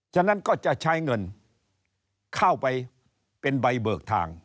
ฉะนั้นก็จะใช้เงินเข้าไปเป็นใบเบิกทาง